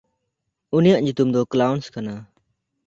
ᱩᱱᱤᱭᱟᱜ ᱧᱩᱛᱩᱢ ᱫᱚ ᱠᱞᱟᱶᱥ ᱠᱟᱱᱟ᱾